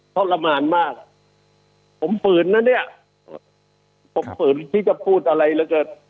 ทรมานมากผมฝืนน่ะเนี่ยครับผมฝืนที่จะพูดอะไรละเกิด